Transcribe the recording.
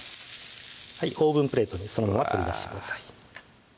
オーブンプレートにそのまま取り出してください